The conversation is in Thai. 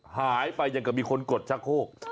หายไปอย่างกับมีคนกดชะโคก